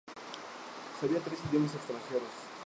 Sabía trece idiomas extranjeros.